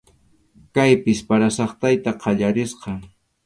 Kaypis para saqtayta qallarisqa.